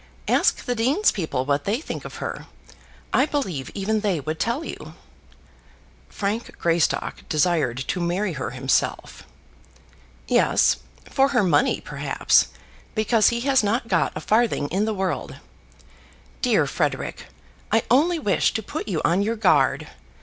Ask the dean's people what they think of her. I believe even they would tell you." "Frank Greystock desired to marry her himself." "Yes, for her money, perhaps; because he has not got a farthing in the world. Dear Frederic, I only wish to put you on your guard.